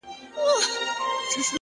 د چای بخار د لاس تودوخه بدلوي.